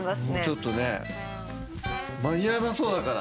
ちょっとね間に合わなそうだから。